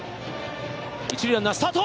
一塁ランナースタート。